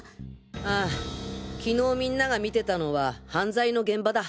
ああ昨日みんなが見てたのは犯罪の現場だ。